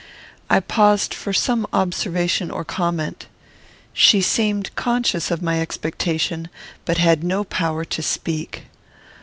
I paused for some observation or comment. She seemed conscious of my expectation, but had no power to speak.